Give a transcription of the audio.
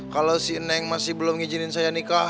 kalau si neng masih belum ngizinin saya nikah